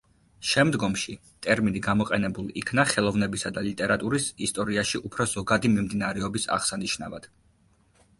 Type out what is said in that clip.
შემდგომში ტერმინი გამოყენებულ იქნა ხელოვნებისა და ლიტერატურის ისტორიაში უფრო ზოგადი მიმდინარეობის აღსანიშნავად.